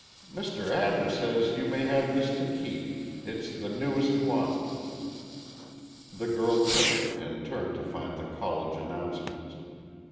"Mr. Adams says you may have this to keep. It's the newest one." The girl took it and turned to find the College announcements.